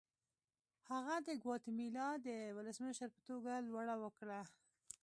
هغه د ګواتیمالا د ولسمشر په توګه لوړه وکړه.